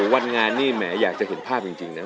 วันงานนี่แหมอยากจะเห็นภาพจริงนะ